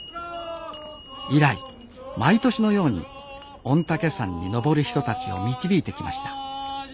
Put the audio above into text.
以来毎年のように御嶽山に登る人たちを導いてきました六根清浄。